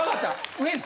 ウエンツ。